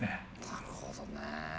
なるほどね。